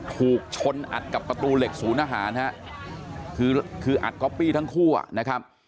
ถูกชนอัดกับประตูเหล็กศูนย์อาหารทั้งคู่นะครับ